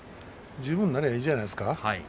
十分になればいいんじゃないですか。